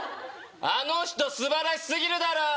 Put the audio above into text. あの人すばらしすぎるだろ